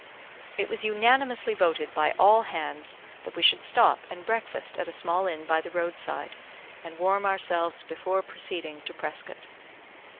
It was unanimously voted by all hands that we should stop and breakfast at a small inn by the road side, and warm ourselves before proceeding to Prescott.